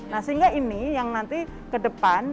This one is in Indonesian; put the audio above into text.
nah sehingga ini yang nanti ke depan